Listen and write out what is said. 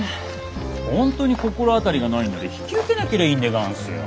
本当に心当たりがないんなら引き受けなけりゃいいんでがんすよ。